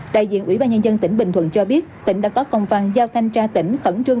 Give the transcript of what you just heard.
đại diện ủy ban nhân dân tỉnh bình thuận cho biết tỉnh đã có công văn giao thanh tra tỉnh khẩn trương